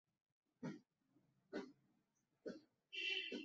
রেহান আপনাকে যতটা ভালোবাসে ততোটা ভালোবাসা আপনি রেহান কে করেন না।